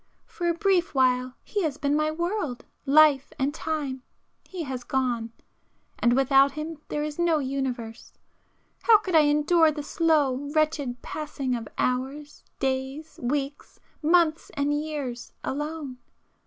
For a brief while he has been my world, life and time,—he has gone,—and without him there is no universe. How could I endure the slow, wretched passing of hours, days, weeks, months and years alone?